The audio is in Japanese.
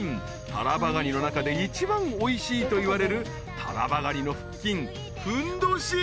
［タラバガニの中で一番おいしいといわれるタラバガニの腹筋ふんどし］